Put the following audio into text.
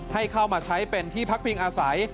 ให้เข้ามาใช้เป็นที่พักพิงอาศัย